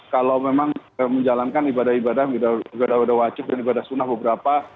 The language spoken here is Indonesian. kalau memang menjalankan ibadah ibadah wajib dan ibadah sunnah beberapa